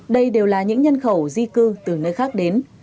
đây đều là những nhân khẩu di cư từ nơi khác đến